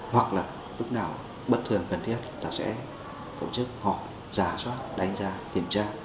hoặc là lúc nào bất thường cần thiết ta sẽ phổ chức họ giả soát đánh giá kiểm tra